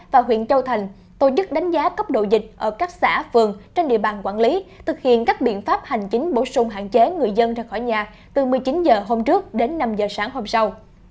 việc áp dụng các biện pháp hành chính bổ sung hạn chế người dân ra khỏi nhà từ một mươi chín h hôm trước đến năm h sáng hôm sau